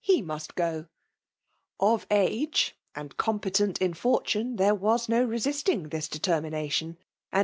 Qwfk he miut gol— Of age, and eoiD]>etin4 in fortune, there was no resisting this deter mination ; and Mm.